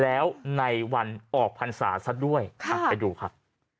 แล้วในวันออกพันธ์ศาสตร์ซะด้วยค่ะอ่าไปดูครับ